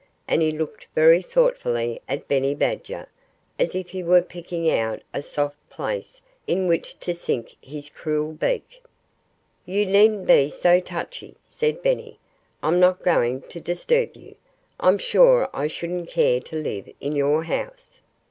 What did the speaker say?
And he looked very thoughtfully at Benny Badger, as if he were picking out a soft place in which to sink his cruel beak. "You needn't be so touchy," said Benny. "I'm not going to disturb you. I'm sure I shouldn't care to live in your house."